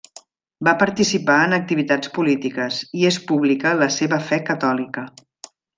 Va participar en activitats polítiques, i és pública la seva fe catòlica.